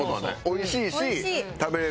おいしいし食べられる。